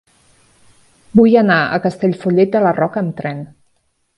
Vull anar a Castellfollit de la Roca amb tren.